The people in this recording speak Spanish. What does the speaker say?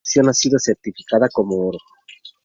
Dicha producción ha sido certificada como oro.